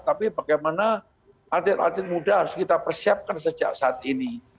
tapi bagaimana atlet atlet muda harus kita persiapkan sejak saat ini